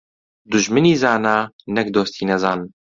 دوژمنی زانا، نەک دۆستی نەزان.